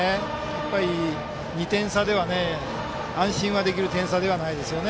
やっぱり、２点差では安心できる点差ではないですよね。